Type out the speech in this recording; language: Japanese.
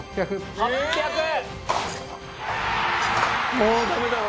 もうダメだろ。